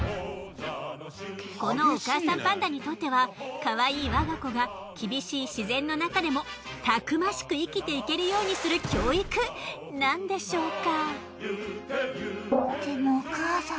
このお母さんパンダにとってはかわいい我が子が厳しい自然の中でもたくましく生きていけるようにする教育なんでしょうか。